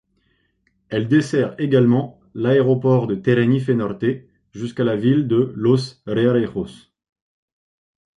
Elle dessert également l'Aéroport de Tenerife Norte jusqu'à la ville de Los Realejos.